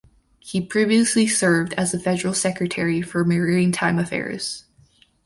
He previously served as the Federal Secretary for Maritime Affairs.